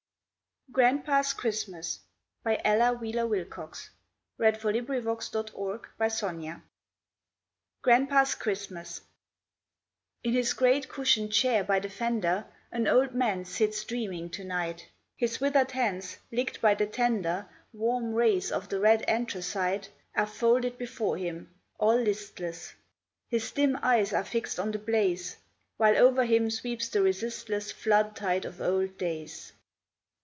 usk, the dew; For the beautiful summer vanished, For the moonlight walks and you. GRANDPA'S CHRISTMAS In his great cushioned chair by the fender An old man sits dreaming to night, His withered hands, licked by the tender Warm rays of the red anthracite, Are folded before him, all listless; His dim eyes are fixed on the blaze, While over him sweeps the resistless Flood tide of old days.